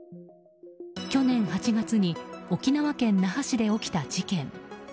去年８月に沖縄県那覇市で起きた事件。